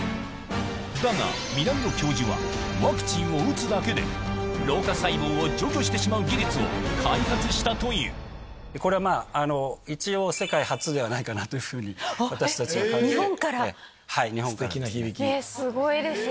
だが、南野教授は、ワクチンを打つだけで、老化細胞を除去してしまう技これは一応、世界初ではないかなというふうに、私たちは考えています。